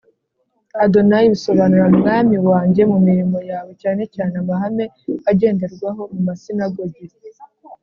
Adonai bisobanura Mwami wanjye mu mirimo ya we cyane cyane amahame agenderwaho mu masinagogi